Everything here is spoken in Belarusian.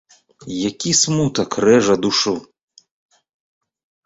Які смутак рэжа душу!